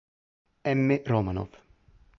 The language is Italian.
M. Romanov.